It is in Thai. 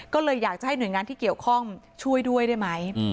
ก็เลยอยากจะให้หน่วยงานที่เกี่ยวข้องช่วยด้วยได้ไหม